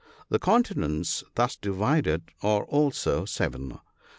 The continents thus divided are also seven.